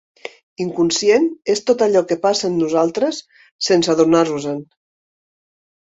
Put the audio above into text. Inconscient és tot allò que passa en nosaltres sense adonar-nos-en.